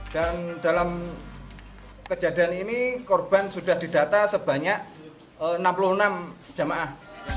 dan dalam kejadian ini korban sudah didata sebanyak enam puluh enam jemaah